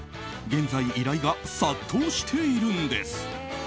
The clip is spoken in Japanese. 現在、依頼が殺到しているんです。